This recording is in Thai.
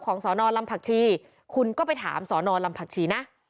สอนอลำผักชีคุณก็ไปถามสนลำผักชีนะ